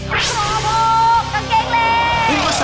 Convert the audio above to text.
ขอบคุกกางเกงเล